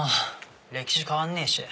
歴史変わんねえし。